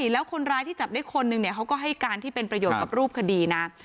แล้วคนร้ายที่จับได้คนนึงเขาก็ให้การที่เป็นประโยชน์กับรูปคดีนะ